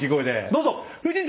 どうぞ！